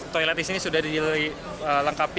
toilet di sini sudah dilengkapi